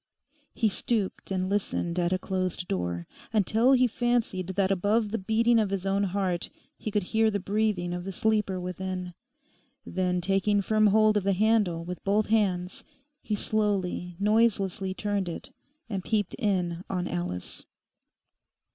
He stooped and listened at a closed door, until he fancied that above the beating of his own heart he could hear the breathing of the sleeper within. Then, taking firm hold of the handle with both hands, he slowly noiselessly turned it, and peeped in on Alice.